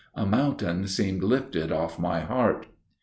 A mountain seemed lifted off my heart.